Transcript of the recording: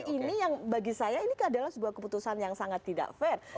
ini yang bagi saya ini adalah sebuah keputusan yang sangat tidak fair